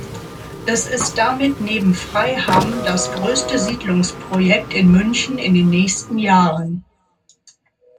Es ist damit neben Freiham das größte Siedlungsprojekt in München in den nächsten Jahren.